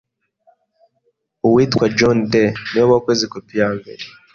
uwitwa John dee niwe wakoze kopi ya mbere